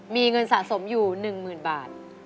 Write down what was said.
มีเงินสะสมอยู่๑๐๐๐บาท